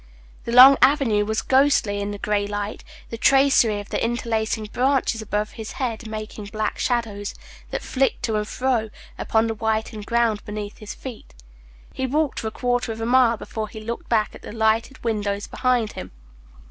The long avenue was ghostly in the gray light, the tracery of the interlacing branches above his head making black shadows, that flickered to and fro upon the whitened ground beneath his feet. He walked for a quarter of a mile before he looked back at the lighted windows behind him.